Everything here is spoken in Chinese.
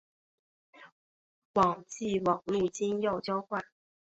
网际网路金钥交换。